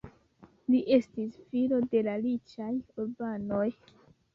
Li estis filo de la riĉaj urbanoj.